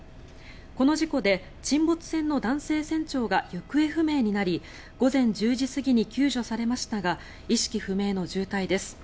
この事故で沈没船の男性船長が行方不明になり午前１０時過ぎに救助されましたが意識不明の重体です。